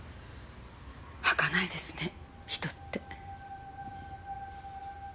はかないですね人って。